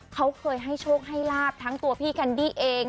เขาเคยให้โชคให้ลาบทั้งตัวพี่แคนดี้เอง